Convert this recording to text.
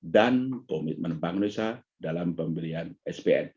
dan komitmen bank indonesia dalam pembelian spn